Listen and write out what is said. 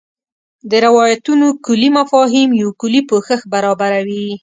د روایتونو کُلي مفاهیم یو کُلي پوښښ برابروي.